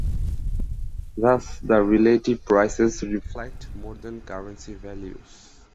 Thus the relative prices reflect more than currency values.